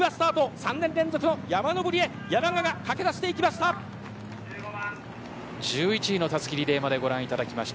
３年連続の山上りに駆け出していきました。